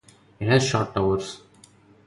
It has short towers.